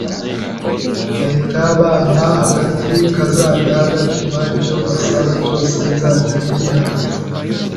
bahita bampa agati kazajya gatuma icyo mbasaba cyose nzajya ngihabwa